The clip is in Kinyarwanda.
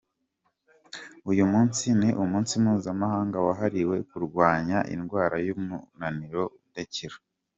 Uyu munsi ni umunsi mpuzamahanga wahariwe kurwanya indwara y’umunaniro udakira.